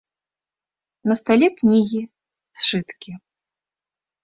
На стале кнігі, сшыткі.